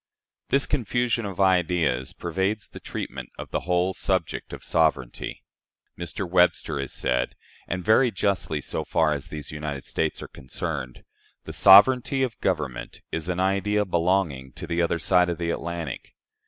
This confusion of ideas pervades the treatment of the whole subject of sovereignty. Mr. Webster has said, and very justly so far as these United States are concerned: "The sovereignty of government is an idea belonging to the other side of the Atlantic.